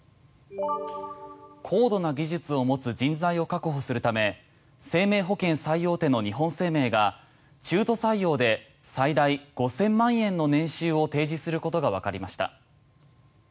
高度な技術を持つ人材を確保するため生命保険最大手の日本生命が中途採用で最大５０００万円の年収を提示することがわかりました。